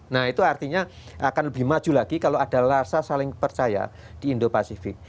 nah itu artinya akan lebih maju lagi kalau ada rasa saling percaya di indo pasifik